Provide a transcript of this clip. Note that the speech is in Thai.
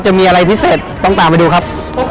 จะมีอะไรพิเศษต้องตามไปดูครับ